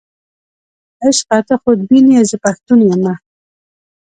عشقه ته خودبین یې، زه پښتون یمه.